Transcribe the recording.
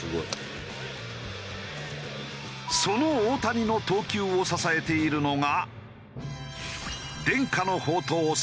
その大谷の投球を支えているのが。